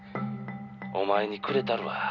「お前にくれたるわ」